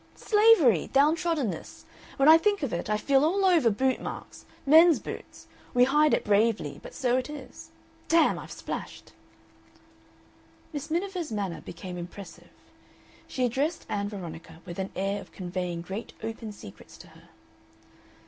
"Slavery! Downtroddenness! When I think of it I feel all over boot marks men's boots. We hide it bravely, but so it is. Damn! I've splashed." Miss Miniver's manner became impressive. She addressed Ann Veronica with an air of conveying great open secrets to her.